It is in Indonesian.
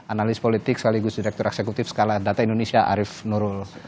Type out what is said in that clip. analis politik sekaligus direktur eksekutif skala data indonesia arief nurul